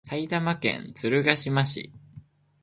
埼玉県鶴ヶ島市